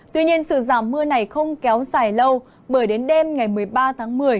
tuy nhiên sự giảm mưa này không kéo dài lâu bởi đến đêm ngày một mươi ba tháng một mươi